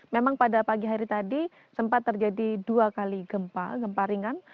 memang pada pagi hari tadi sempat terjadi dua kali gempa gempa ringan